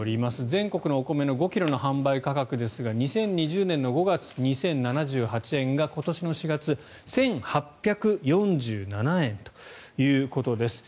全国のお米の５ｋｇの販売価格ですが２０２０年の５月２０７８円が今年の４月１８４７円ということです。